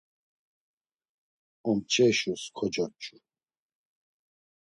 Omç̌eşus kocoç̌u.